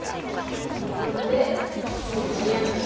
ケイマでこっちに追いやっていきます。